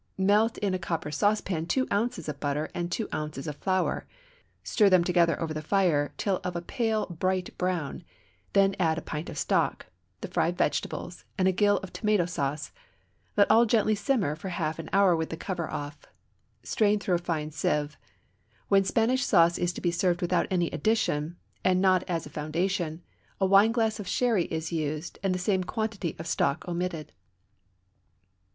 Melt in a copper saucepan two ounces of butter and two ounces of flour, stir them together over the fire till of a pale bright brown, then add a pint of stock, the fried vegetables, and a gill of tomato sauce; let all gently simmer for half an hour with the cover off. Strain through a fine sieve. When Spanish sauce is to be served without any addition, and not as a foundation, a wineglass of sherry is used and the same quantity of stock omitted.